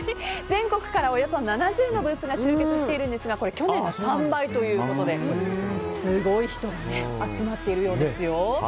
全国からおよそ７０のブースが集結しているんですが去年の３倍ということで人が集まっているようですよ。